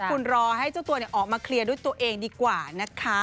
คุณรอให้เจ้าตัวออกมาเคลียร์ด้วยตัวเองดีกว่านะคะ